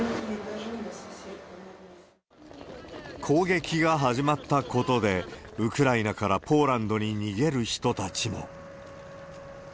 攻撃が始まったことで、ウクライナからポーランドに逃げる人たちも。